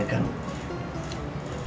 selama ini kan